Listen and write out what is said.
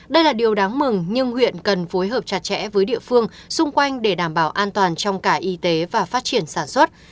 đây là điều đáng mừng nhưng huyện cần phối hợp chặt chẽ với địa phương xung quanh để đảm bảo an toàn trong cả y tế và phát triển sản xuất